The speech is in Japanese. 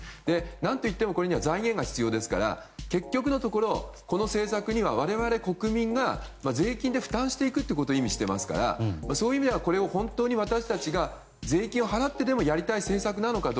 何といってもこれには財源が必要ですから、結局のところこの政策には、我々国民が税金で負担していくことを意味していますからそういう意味では私たちが税金を払ってでもやりたい政策か